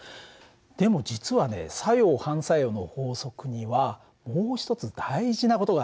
でも実はね作用・反作用の法則にはもう一つ大事な事があるんだ。